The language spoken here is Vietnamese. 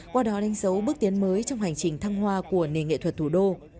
qua đó đánh dấu bước tiến mới trong hành trình thăng hoa của nền nghệ thuật thủ đô